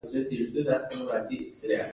دې کارونو د محصولاتو د زیاتوالي سبب شو.